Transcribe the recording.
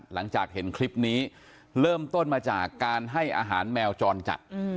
หลังจากเห็นคลิปนี้เริ่มต้นมาจากการให้อาหารแมวจรจัด